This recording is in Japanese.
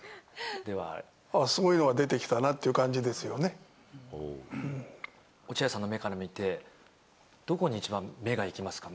すごいのが出てきたなってい落合さんの目から見て、どこに一番目がいきますか？